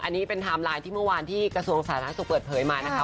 อันนี้เป็นไทม์ไลน์ที่เมื่อวานที่กระทรวงสาธารณสุขเปิดเผยมานะคะ